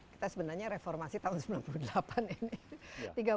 kita sebenarnya reformasi tahun sembilan puluh delapan ini